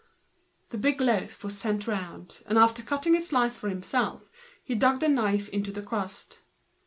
The big loaf was sent round, and after cutting a slice for himself he dug the knife into the crust.